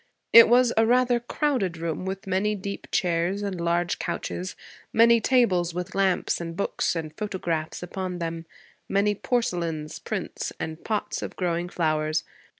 It was a rather crowded room, with many deep chairs and large couches, many tables with lamps and books and photographs upon them, many porcelains, prints, and pots of growing flowers.